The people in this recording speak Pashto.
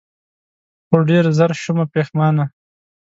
خو ډېر زر شومه پښېمانه